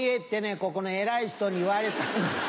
ここの偉い人に言われたんです。